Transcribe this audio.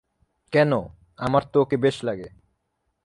কেন, আমার তো ওকে বেশ লাগে।